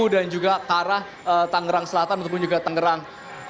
dan juga ke arah tangerang selatan ataupun juga tangerang